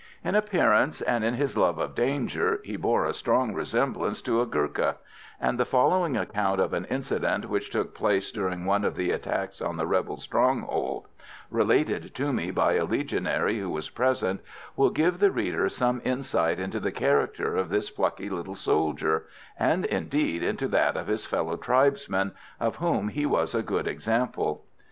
In appearance, and in his love of danger, he bore a strong resemblance to a Gurkah; and the following account of an incident which took place during one of the attacks on the rebel stronghold, related to me by a Legionary who was present, will give the reader some insight into the character of this plucky little soldier, and indeed into that of his fellow tribesmen, of whom he was a good example.